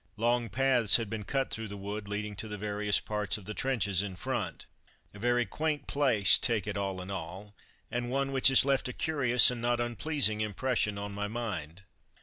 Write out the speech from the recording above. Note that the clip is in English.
Long paths had been cut through the wood leading to the various parts of the trenches in front. A very quaint place, take it all in all, and one which has left a curious and not unpleasing impression on my mind.